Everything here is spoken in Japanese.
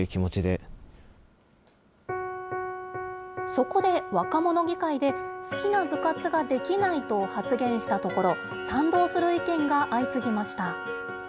そこで、若者議会で好きな部活ができないと発言したところ、賛同する意見が相次ぎました。